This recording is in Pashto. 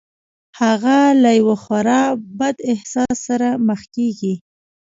هغه له يوه خورا بد احساس سره مخ کېږي.